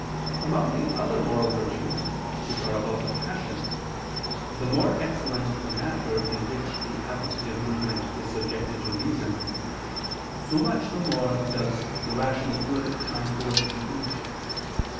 Among the other moral virtues, which are about the passions, the more excellent the matter in which the appetitive movement is subjected to reason, so much the more does the rational good shine forth in each.